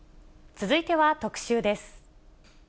続いては特集です。